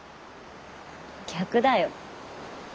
逆だよ。